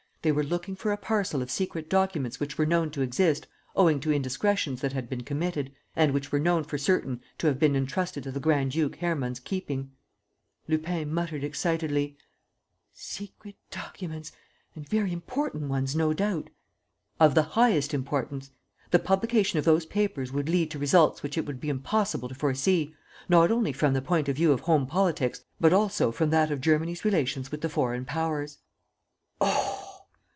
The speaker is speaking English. They were looking for a parcel of secret documents which were known to exist, owing to indiscretions that had been committed, and which were known for certain to have been entrusted to the Grand duke Hermann's keeping." Lupin muttered, excitedly: "Secret documents ... and very important ones, no doubt?" "Of the highest importance. The publication of those papers would lead to results which it would be impossible to foresee, not only from the point of view of home politics, but also from that of Germany's relations with the foreign powers." "Oh!"